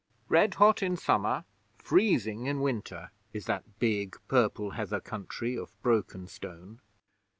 Red hot in summer, freezing in winter, is that big, purple heather country of broken stone.